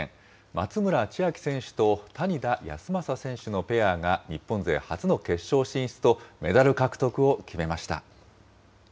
松村千秋選手と谷田康真選手のペアが、日本勢初の決勝進出とメダル獲得を決めました。